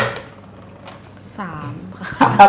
๓คนค่ะ